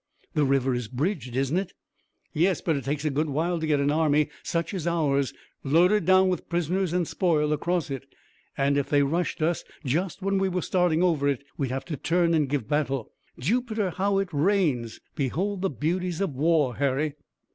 "The river is bridged, isn't it?" "Yes, but it takes a good while to get an army such as ours, loaded down with prisoners and spoil, across it, and if they rushed us just when we were starting over it, we'd have to turn and give battle. Jupiter, how it rains! Behold the beauties of war, Harry!"